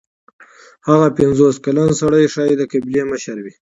هغه پنځوس کلن سړی ښايي د قبیلې مشر و.